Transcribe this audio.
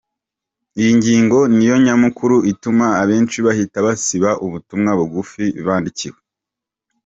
Iyi ngingo niyo nyamukuru ituma abenshi bahita basiba ubutumwa bugufi, bandikiwe .